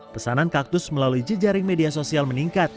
pesanan kaktus melalui jejaring media sosial meningkat